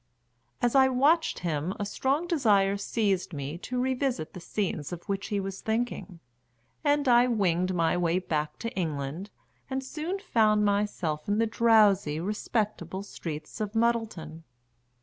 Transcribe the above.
As I watched him a strong desire seized me to revisit the scenes of which he was thinking, and I winged my way back to England, and soon found myself in the drowsy, respectable streets of Muddleton.